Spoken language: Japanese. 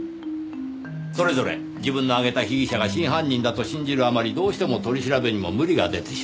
それぞれ自分の挙げた被疑者が真犯人だと信じるあまりどうしても取り調べにも無理が出てしまう。